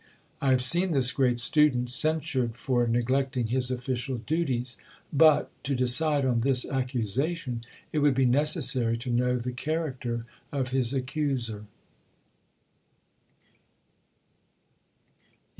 I have seen this great student censured for neglecting his official duties; but, to decide on this accusation, it would be necessary to know the character of his accuser.